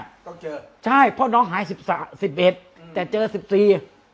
ต้องเจอใช่เพราะน้องหายสิบเอ็ดแต่เจอสิบสี่